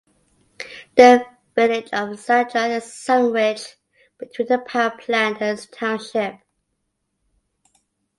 The village of Sadras is sandwiched between the power plant and its township.